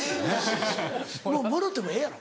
もうもろうてもええやろ。